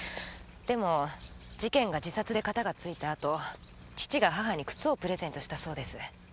でも事件が自殺でカタがついた後父が母に靴をプレゼントしたそうです。